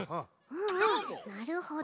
うんうんなるほど。